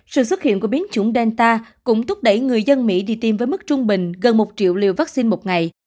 sự xuất hiện của biến chủng delta cũng thúc đẩy người dân mỹ đi tiêm với mức trung bình gần một triệu liều vaccine một ngày